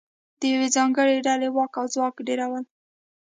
د یوې ځانګړې ډلې واک او ځواک ډېرول